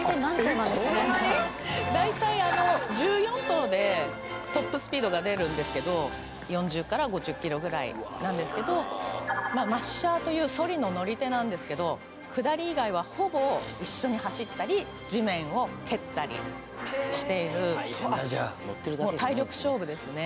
大体１４頭でトップスピードが出るんですけど４０から５０キロぐらいなんですけどマッシャーというソリの乗り手なんですけど下り以外はほぼ一緒に走ったり地面を蹴ったりしている大変だじゃあもう体力勝負ですね